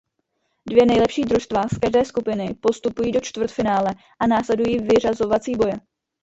Dvě nejlepší družstva z každé skupiny postupují do čtvrtfinále a následují vyřazovací boje.